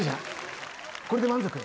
これで満足？